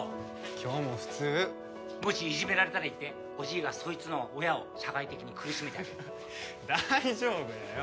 今日も普通もしいじめられたら言っておじいがそいつの親を社会的に苦しめてあげる大丈夫やよ